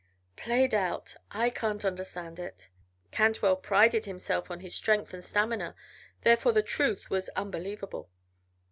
"Played out! I can't understand it." Cantwell prided himself on his strength and stamina, therefore the truth was unbelievable.